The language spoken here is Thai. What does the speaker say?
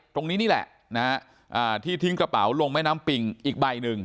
ตรงนี้นี่แหละนะฮะที่ทิ้งกระเป๋าลงแม่น้ำปิงอีกใบหนึ่ง